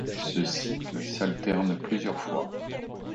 Ce cycle s'alterne plusieurs fois.